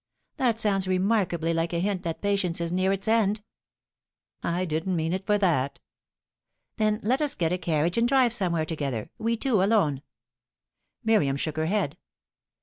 "That sounds remarkably like a hint that patience is near its end." "I didn't mean it for that." "Then let us get a carriage and drive somewhere together, we two alone." Miriam shook her head.